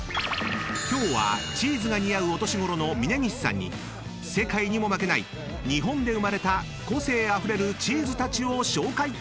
［今日はチーズが似合うお年ごろの峯岸さんに世界にも負けない日本で生まれた個性あふれるチーズたちを紹介！］